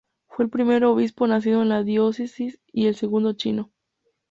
Fue el primer obispo nacido en la diócesis y el segundo chino.